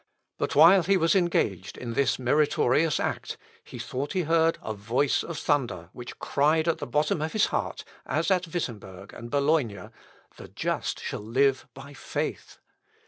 But while he was engaged in this meritorious act, he thought he heard a voice of thunder which cried at the bottom of his heart, as at Wittemberg and Bologna, "_The just shall live by faith.